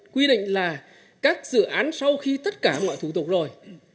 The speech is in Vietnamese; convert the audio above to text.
quy định là các dự án sau khi tất cả mọi thủ tục rồi